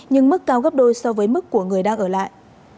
nhưng mức cao gấp đôi so với mức của người đang ở lại